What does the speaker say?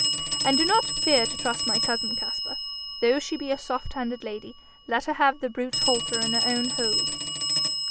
And do not fear to trust my cousin, Caspar, although she be a soft handed lady. Let her have the brute's halter in her own hold.'